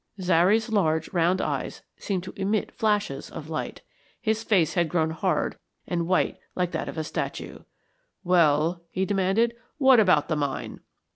Zary's large round eyes seemed to emit flashes of light. His face had grown hard and white like that of a statue. "Well," he demanded, "what about the mine?"